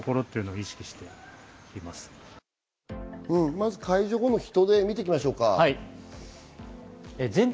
まず解除後の人出を見ていきましょうか。